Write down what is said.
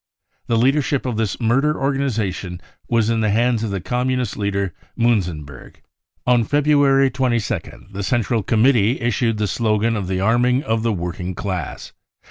The leadership of this murder organisation was in the hands of the Com munist leader Muenzenberg. " On February 22nd the central committers issued the slogan of the arming of the working class.